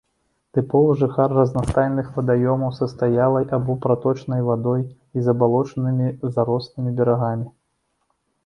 Тыповы жыхар разнастайных вадаёмаў са стаялай або праточнай вадой і забалочанымі, зарослымі берагамі.